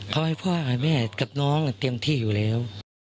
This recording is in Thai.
คบแดกน้องเต็มที่อยู่แล้ว